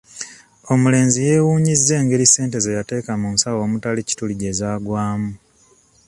Omulenzi yeewuunyizza engeri ssente ze yateeka mu nsawo omutali kituli gye zaagwamu.